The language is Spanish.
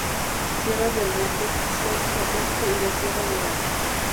Sierras del Norte, Centro, Este, y Sierra Nevada.